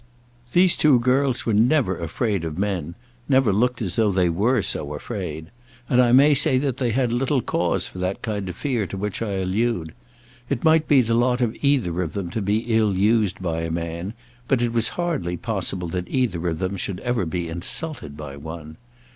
These two girls were never afraid of men, never looked as though they were so afraid. And I may say that they had little cause for that kind of fear to which I allude. It might be the lot of either of them to be ill used by a man, but it was hardly possible that either of them should ever be insulted by one.